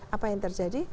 apa yang terjadi